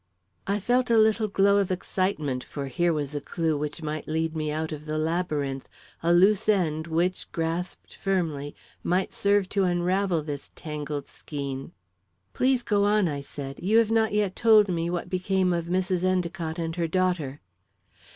I felt a little glow of excitement, for here was a clue which might lead me out of the labyrinth a loose end, which, grasped firmly, might serve to unravel this tangled skein. "Please go on," I said. "You have not yet told me what became of Mrs. Endicott and her daughter."